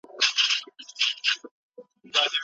که انحصار مات نه سي خلګ پوهه نه سي ترلاسه کولای.